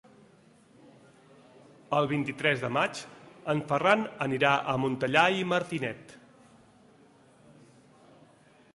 El vint-i-tres de maig en Ferran anirà a Montellà i Martinet.